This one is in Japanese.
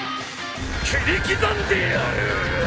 切り刻んでやる！